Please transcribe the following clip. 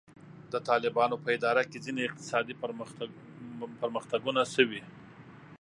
د طالبانو په اداره کې ځینې اقتصادي پرمختګونه شوي.